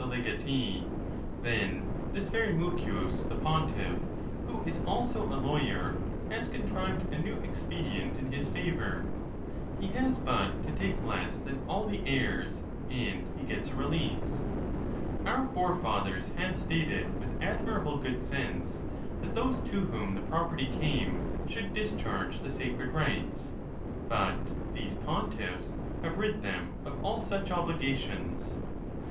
legatee, then this very Mucius the pontiff, who is also a, ON. THE LAWS. 453 lawyer, has contrived a new expedient in his favour: he has but to take less than all the heirs, and she gets a release, Our forefathers had stated, with admirable good sense, that those to whom the property came should discharge the sacred rites; but these pontifis have rid them of all such obligations.